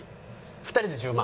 ２人で１０万。